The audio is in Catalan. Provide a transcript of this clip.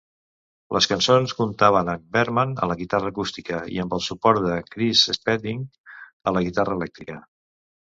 Les cançons comptaven amb Bergmann a la guitarra acústica i amb el suport de Chris Spedding a la guitarra elèctrica.